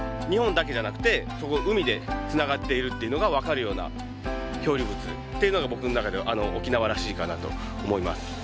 日本だけじゃなくて海でつながっているっていうのが分かるような漂流物っていうのが僕の中では沖縄らしいかなと思います。